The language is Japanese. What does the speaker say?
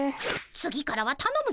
次からはたのむぞ！